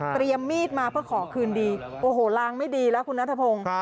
มีดมาเพื่อขอคืนดีโอ้โหลางไม่ดีแล้วคุณนัทพงศ์